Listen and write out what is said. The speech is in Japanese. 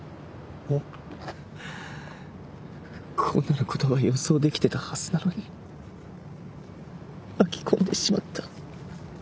こうなることは予想できてたはずなのに巻き込んでしまった。